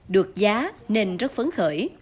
được giá nên rất phấn khởi